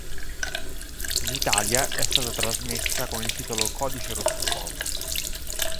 In Italia è stata trasmessa con il titolo "Codice rosso fuoco".